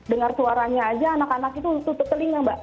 dengar suaranya aja anak anak itu tutup telinga mbak